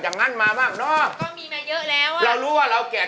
ยืนหน่อยเท่าพี่แล้วก็ยืนหน่อยเออชุดสวย